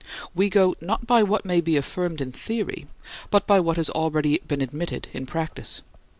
We go, not by what may be affirmed in theory, but by what has been already admitted in practice.